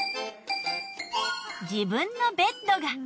自分のベッドが。